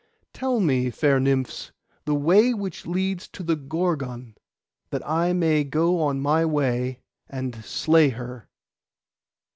Tell me, fair Nymphs, the way which leads to the Gorgon, that I may go on my way and slay her.